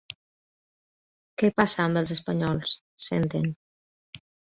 Què passa amb els espanyols? —senten.